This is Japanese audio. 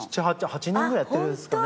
８年ぐらいやってるんですかね。